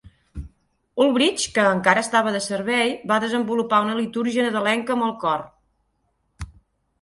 Ulbrich, que encara estava de servei, va desenvolupar una litúrgia nadalenca amb el cor.